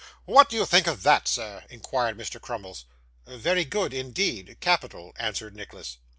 'What did you think of that, sir?' inquired Mr. Crummles. 'Very good, indeed capital,' answered Nicholas.